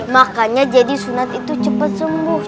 makanya jadi sunat itu cepat sembuh